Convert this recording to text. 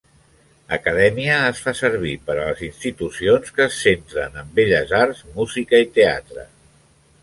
"Acadèmia" es fa servir per a les institucions que es centren en belles arts, música i teatre.